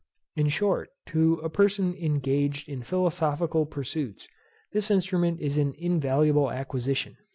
In short, to a person engaged in philosophical pursuits, this instrument is an invaluable acquisition.